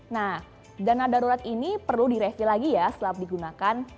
nah dana darurat ini perlu direview lagi ya setelah digunakan